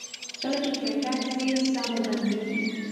کله چې چټک ځئ ساه مو بندیږي؟